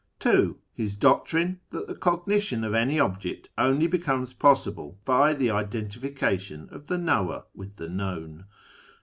(2) His doctrine that true cognition of any object only becomes possible by the identification of the knower with the known.